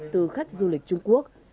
từ khách du lịch trung quốc